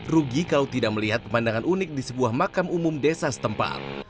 rugi kalau tidak melihat pemandangan unik di sebuah makam umum desa setempat